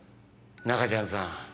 ナカちゃんさん